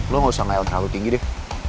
lo gausah ngel terlalu tinggi deh